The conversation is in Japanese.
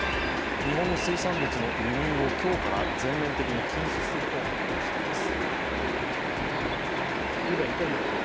日本の水産物の輸入を今日から全面的に禁止すると発表しています。